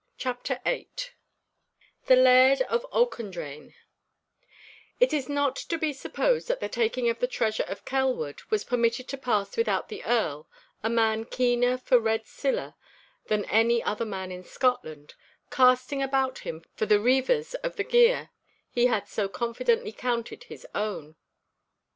*CHAPTER VIII* *THE LAIRD OF AUCHENDRAYNE* It is not to be supposed that the taking of the treasure of Kelwood was permitted to pass without the Earl, a man keener for red siller than any other man in Scotland, casting about him for the reivers of the gear he had so confidently counted his own.